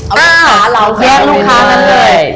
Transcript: เอาลูกค้าเราไปด้วย